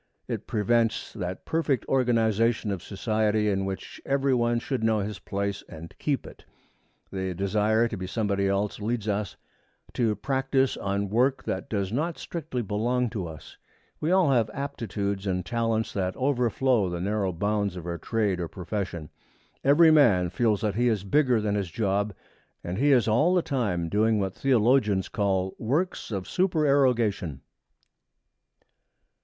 It prevents that perfect organization of society in which every one should know his place and keep it. The desire to be somebody else leads us to practice on work that does not strictly belong to us. We all have aptitudes and talents that overflow the narrow bounds of our trade or profession. Every man feels that he is bigger than his job, and he is all the time doing what theologians call 'works of supererogation.'